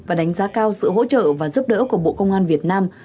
và đánh giá cao sự hỗ trợ và giúp đỡ của bộ công an việt nam